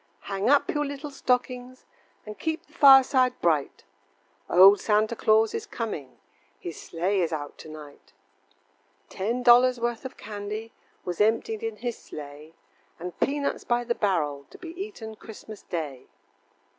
Hang up your little stockings, And keep the fireside bright, Old Santa Claus is coming, His sleigh is out to night. Ten dollars worth of candy Was emptied in his sleigh, And peanuts by the barrel, To be eaten Christmas day.